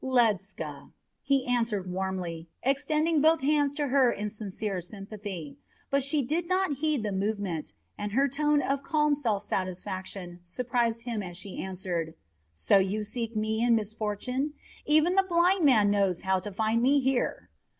"Ledscha," he answered warmly, extending both hands to her in sincere sympathy; but she did not heed the movement, and her tone of calm self satisfaction surprised him as she answered: "So you seek me in misfortune? Even the blind man knows how to find me here."